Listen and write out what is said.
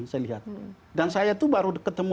saya lihat dan saya itu baru ketemu